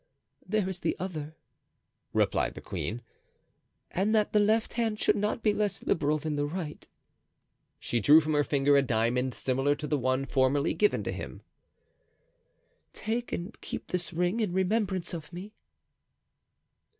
"There is the other," replied the queen; "and that the left hand should not be less liberal than the right," she drew from her finger a diamond similar to the one formerly given to him, "take and keep this ring in remembrance of me.